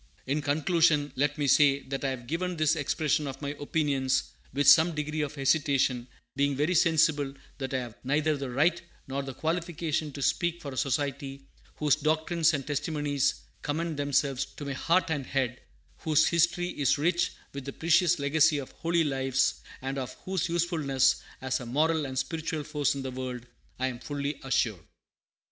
In conclusion, let me say that I have given this expression of my opinions with some degree of hesitation, being very sensible that I have neither the right nor the qualification to speak for a society whose doctrines and testimonies commend themselves to my heart and head, whose history is rich with the precious legacy of holy lives, and of whose usefulness as a moral and spiritual Force in the world I am fully assured.